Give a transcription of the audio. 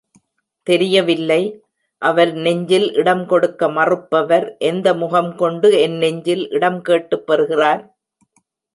தெரியவில்லை. அவர் நெஞ்சில் இடம் கொடுக்க மறுப்பவர், எந்த முகம் கொண்டு என் நெஞ்சில் இடம் கேட்டுப் பெறுகிறார்?